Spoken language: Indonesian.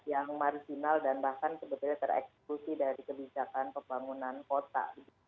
yang marginal dan bahkan sebetulnya tereksekusi dari kebijakan pembangunan kota